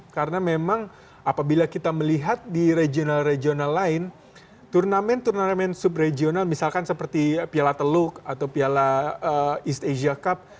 karena memang apabila kita melihat di regional regional lain turnamen turnamen sub regional misalkan seperti piala teluk atau piala east asia cup